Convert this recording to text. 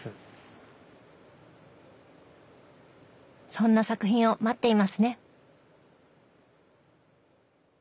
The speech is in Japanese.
そんな作品を待っていますね！